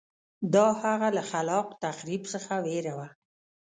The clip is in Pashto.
دا هغه له خلاق تخریب څخه وېره وه